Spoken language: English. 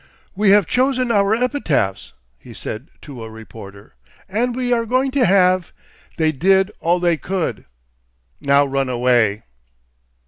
"We have chosen our epitaphs," he said to a reporter, "and we are going to have, 'They did all they could.' Now run away!"